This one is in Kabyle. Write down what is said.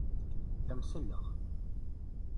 La am-selleɣ.